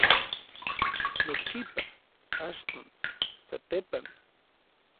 nochipa, achton, satepan